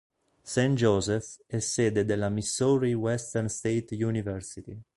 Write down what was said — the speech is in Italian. St. Joseph è sede della Missouri Western State University.